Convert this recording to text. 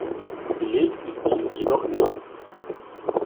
Belegt ist dies jedoch nicht.